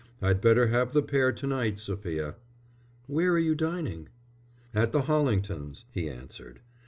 I'd better have the pair to night, Sophia." "Where are you dining?" "At the Hollingtons," he answered.